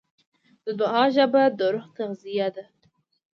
د دعا ژبه د روح تغذیه ده.